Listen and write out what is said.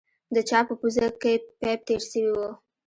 د چا په پوزه کښې پيپ تېر سوى و.